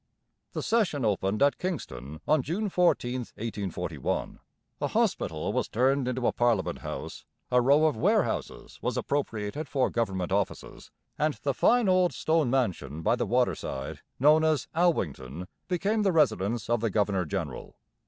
The session opened at Kingston on June 14, 1841. A hospital was turned into a parliament house, a row of warehouses was appropriated for government offices, and the fine old stone mansion by the waterside known as 'Alwington' became the residence of the governor general.